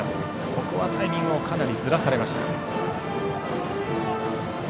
ここはタイミングをかなりずらされました。